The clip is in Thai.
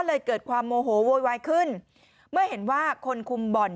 เกิดความโมโหโวยวายขึ้นเมื่อเห็นว่าคนคุมบ่อน